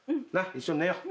一緒に寝よう。